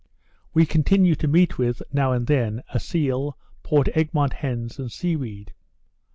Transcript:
We continued to meet with, now and then, a seal, Port Egmont hens, and sea weed.